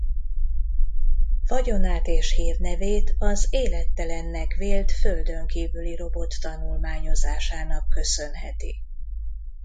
Vagyonát és hírnevét az élettelennek vélt földönkívüli robot tanulmányozásának köszönheti.